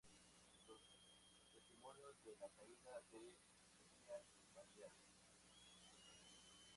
Los testimonios de la caída de Beria varían.